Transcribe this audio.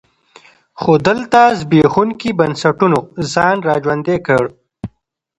خو دلته زبېښونکي بنسټونو ځان را ژوندی کړ.